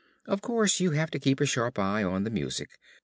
Of course you have to keep a sharp eye on the music.